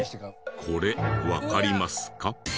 これわかりますか？